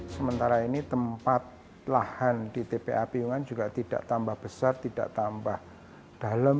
sementara ini tempat lahan di tpa piungan juga tidak tambah besar tidak tambah dalam